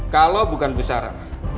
kalau bukan bu sarah